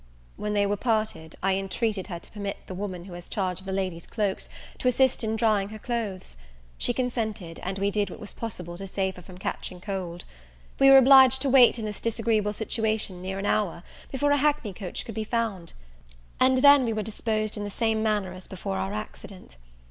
When they were parted, I intreated her to permit the woman who has charge of the ladies' cloaks to assist in drying her clothes; she consented, and we did what was possible to save her from catching cold. We were obliged to wait in this disagreeable situation near an hour before a hackney coach could be found; and then we were disposed in the same manner as before our accident.